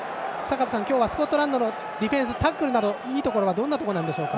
今日はスコットランドのディフェンス、タックルなどいいところはどんなところですか。